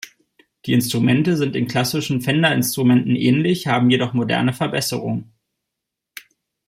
Die Instrumente sind den klassischen Fender-Instrumenten ähnlich, haben jedoch moderne Verbesserungen.